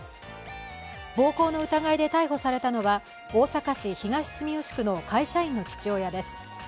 暴行の疑いで逮捕されたのは大阪市東住吉区の会社員の父親です。